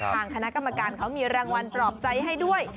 ทางคณะกรรมการเขามีรางวัลปลอบใจให้ด้วย